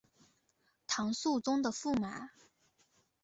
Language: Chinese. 唐肃宗的驸马。